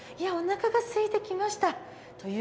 おなかがすいてきました。